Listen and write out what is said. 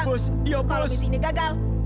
awas ya kalau misi ini gagal